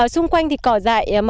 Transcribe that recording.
xung quanh thì cỏ dại